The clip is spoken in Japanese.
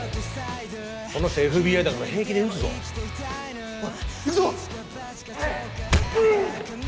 この人ＦＢＩだから平気で撃つぞおい行くぞっうっ！